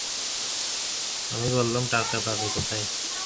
আমি বললাম, টাকা পাবে কোথায়?